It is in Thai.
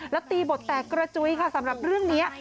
แล้วตีบทแตกกระจุยค่ะสำหรับเรื่องนี้